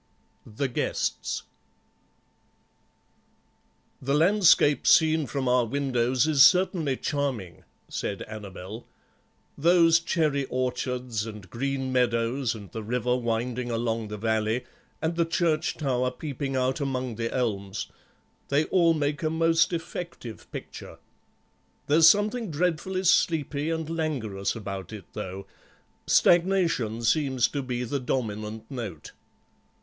THE GUESTS "The landscape seen from our windows is certainly charming," said Annabel; "those cherry orchards and green meadows, and the river winding along the valley, and the church tower peeping out among the elms, they all make a most effective picture. There's something dreadfully sleepy and languorous about it, though; stagnation seems to be the dominant note.